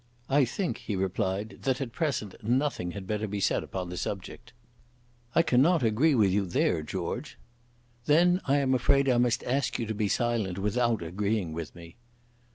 "I think," he replied, "that at present nothing had better be said upon the subject." "I cannot agree with you there, George." "Then I am afraid I must ask you to be silent without agreeing with me."